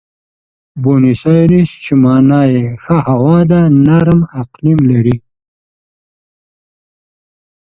بونیس ایرس چې مانا یې ښه هوا ده، نرم اقلیم لري.